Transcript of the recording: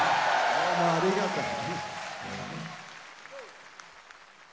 どうもありがとね。